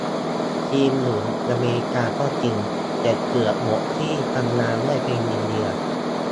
ทีมอยู่เมกาก็จริง แต่เกือบหมดที่ทำงานด้วยเป็นอินเดีย